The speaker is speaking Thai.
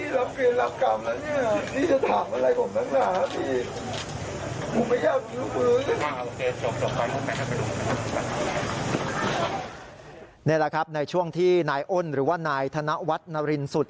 นี่แหละครับในช่วงที่นายอ้นหรือว่านายธนวัฒนรินสุด